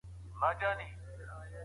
د بدن فزیکي حالت مو سم وساتئ.